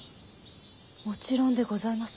もちろんでございます。